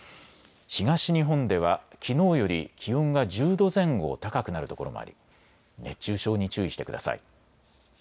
東日本ではきのうより気温が１０度前後高くなるところもあり熱中症に注意してください。